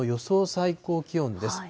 最高気温です。